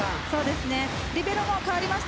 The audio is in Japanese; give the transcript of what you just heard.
リベロも代わりました。